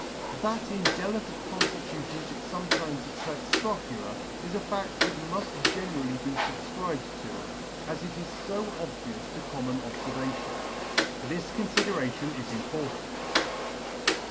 That in delicate conditutions it fometimes excites ferophula, is a fad; that mu ft generally be fubfcribed to, as it is fo obvious to common converfation. This condderation is important.